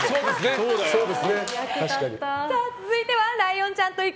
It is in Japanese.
続いてはライオンちゃんと行く！